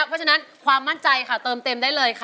เพราะฉะนั้นความมั่นใจค่ะเติมเต็มได้เลยค่ะ